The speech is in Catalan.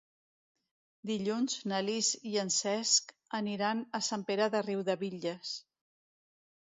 Dilluns na Lis i en Cesc aniran a Sant Pere de Riudebitlles.